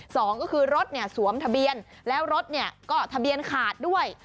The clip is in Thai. สองก็คือรถเนี่ยสวมทะเบียนแล้วรถเนี่ยก็ทะเบียนขาดด้วย